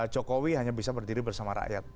jokowi hanya bisa berdiri bersama rakyat